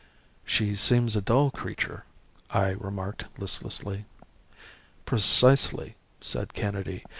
"She seems a dull creature," I remarked listlessly. "Precisely," said Kennedy.